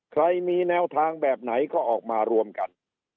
ใครมีแนวทางแบบไหนก็ออกมารวมกัน